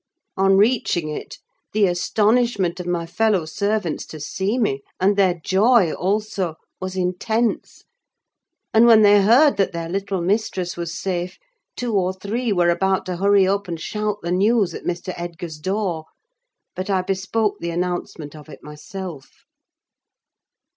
On reaching it, the astonishment of my fellow servants to see me, and their joy also, was intense; and when they heard that their little mistress was safe, two or three were about to hurry up and shout the news at Mr. Edgar's door: but I bespoke the announcement of it myself.